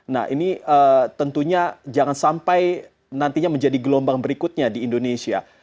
nah ini tentunya jangan sampai nantinya menjadi gelombang berikutnya di indonesia